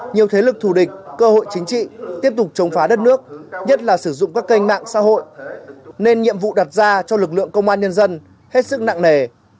nhiều thế lực thù địch cơ hội chính trị tiếp tục chống phá đất nước nhất là sử dụng các kênh mạng xã hội nên nhiệm vụ đặt ra cho lực lượng công an nhân dân hết sức nặng nề